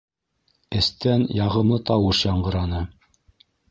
Эстән яғымлы тауыш яңғыраны: